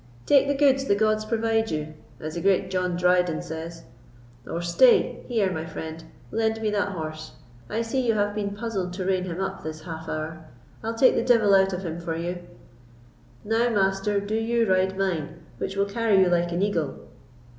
"Take the goods the gods provide you, as the great John Dryden says; or stay—here, my friend, lend me that horse; I see you have been puzzled to rein him up this half hour. I'll take the devil out of him for you. Now, Master, do you ride mine, which will carry you like an eagle."